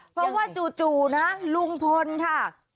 เพราะว่าจู่นะลุงพลค่ะ